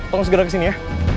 tolong segera kesini ya